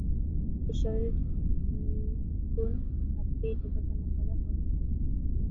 ঈশ্বরের নির্গুণ ভাবকে উপাসনা করা অর্থহীন।